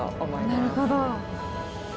なるほど。